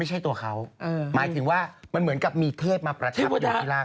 จากกายยานมันเริ่มเป็นมอเตอร์ไซค์